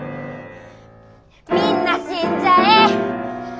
みんな死んじゃえ！